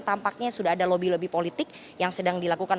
tampaknya sudah ada lobby lobby politik yang sedang dilakukan